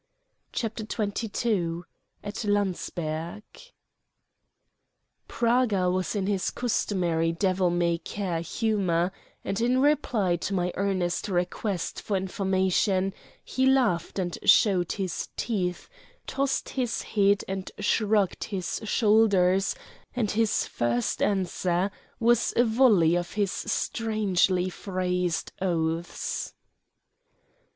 CHAPTER XXII AT LANDSBERG Praga was in his customary devil may care humor, and in reply to my earnest request for information he laughed and showed his teeth, tossed his head and shrugged his shoulders, and his first answer was a volley of his strangely phrased oaths.